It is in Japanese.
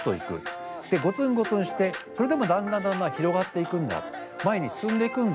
ゴツンゴツンしてそれでもだんだんだんだん広がっていくんだ前に進んでいくんだ。